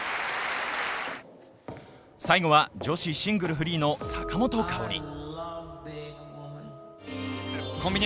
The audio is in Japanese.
最後は女子シングルフリーの坂本花織。